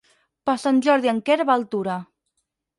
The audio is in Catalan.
Per Sant Jordi en Quer va a Altura.